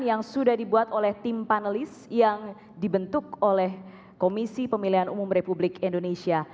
yang sudah dibuat oleh tim panelis yang dibentuk oleh komisi pemilihan umum republik indonesia